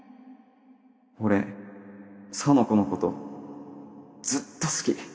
俺苑子のことずっと好き